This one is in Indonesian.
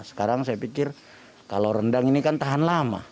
sekarang saya pikir kalau rendang ini kan tahan lama